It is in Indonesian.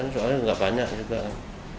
soalnya nggak banyak juga kan